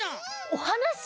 おはなし！？